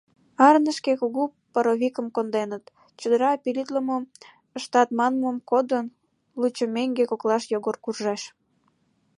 Арынышке кугу паровикым конденыт, чодыра пилитлымым ыштат манмым кодын, лучко меҥге коклаш Йогор куржеш.